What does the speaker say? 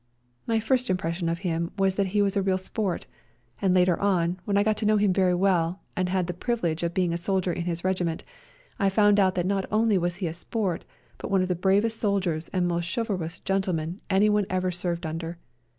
My first impression of him was that he 38 A SERBIAN AMBULANCE was a real sport, and later on, when I got to know him very well and had the privi lege of being a soldier in his regiment, I found out that not only was he a sport, but one of the bravest soldiers and most chivalrous gentlemen anyone ever served under.